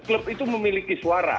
klub itu memiliki suara